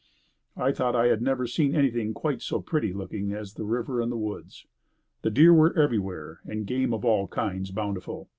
I thought I had never seen anything quite so pretty looking as the river and woods. The deer were everywhere and game of all kinds bountiful.